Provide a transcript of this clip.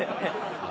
あっ！！